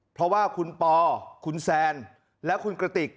เพราะว่าคุณปอคุณแซนและคุณกระติก